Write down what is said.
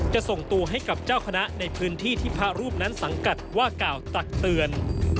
จะส่งตัวให้กับเจ้าคณะในพื้นที่ที่พระรูปนั้นสังกัดว่ากล่าวตักเตือน